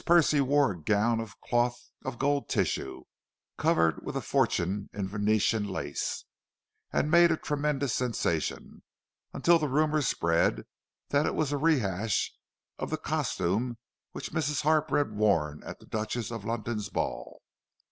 Percy wore a gown of cloth of gold tissue, covered with a fortune in Venetian lace, and made a tremendous sensation—until the rumour spread that it was a rehash of the costume which Mrs. Harper had worn at the Duchess of London's ball.